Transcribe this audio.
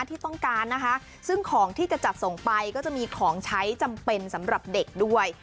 ที่ต้องการนะคะซึ่งของที่จะจัดส่งไปก็จะมีของใช้จำเป็นสำหรับเด็กด้วย